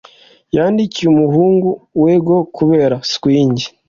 Yatsindiye umuhungu wengo kubera swingi